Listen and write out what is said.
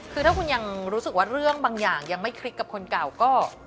คือถ้าคุณยังรู้สึกว่าเรื่องบางอย่างยังไม่คลิกกับคนเก่าก็